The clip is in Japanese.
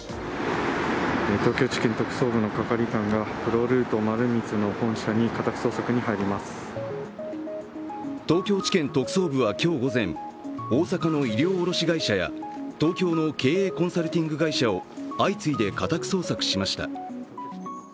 東京地検特捜部の係官がプロルート丸光の本社に東京地検特捜部は今日午前、大阪の衣料卸会社や東京の経営コンサルティング会社を相次いで家宅捜索しました。